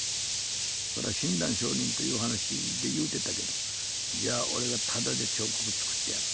それは親鸞聖人という話で言うてたけどじゃあ俺がただで彫刻作ってやる。